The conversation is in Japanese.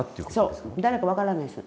そう誰か分からないです。